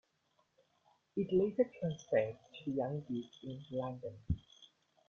It later transferred to the Young Vic in London.